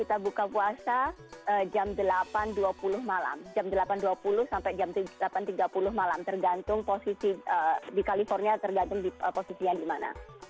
tergantung posisi di california tergantung posisinya dimana